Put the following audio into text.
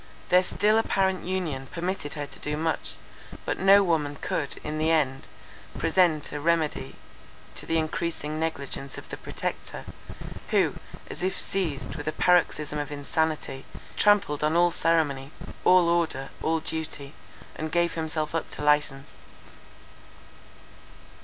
Their still apparent union permitted her to do much; but no woman could, in the end, present a remedy to the encreasing negligence of the Protector; who, as if seized with a paroxysm of insanity, trampled on all ceremony, all order, all duty, and gave himself up to license.